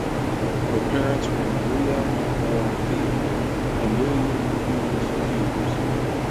Her parents were Maria (born Field) and William Hughes Hughes.